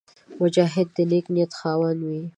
مجاهد د نېک نیت خاوند وي.